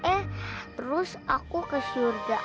eh terus aku kesurga